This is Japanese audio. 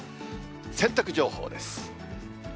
洗濯情報です。